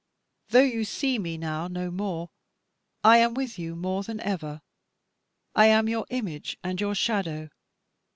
Though you see me now no more, I am with you more than ever; I am your image and your shadow.